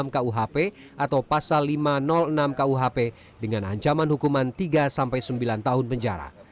enam kuhp atau pasal lima ratus enam kuhp dengan ancaman hukuman tiga sampai sembilan tahun penjara